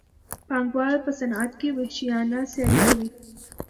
پانګوال په صنعت کې وحشیانه سیالي کوي